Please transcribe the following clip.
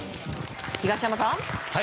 東山さん